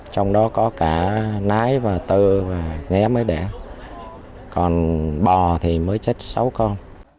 trong đó có cả nái và tơ và nghé mới đẻ còn bò thì mới chết sáu con